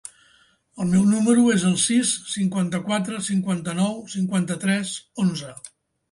El meu número es el sis, cinquanta-quatre, cinquanta-nou, cinquanta-tres, onze.